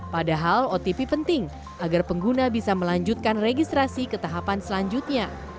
padahal otp penting agar pengguna bisa melanjutkan registrasi ke tahapan selanjutnya